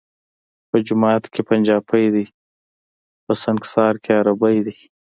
په جماعت کي پنجابی دی ، په سنګسار کي عربی دی